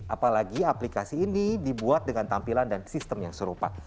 apalagi aplikasi ini dibuat dengan tampilan dan sistem yang serupa